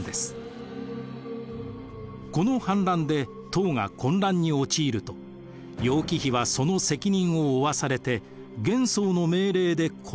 この反乱で唐が混乱に陥ると楊貴妃はその責任を負わされて玄宗の命令で殺されてしまいました。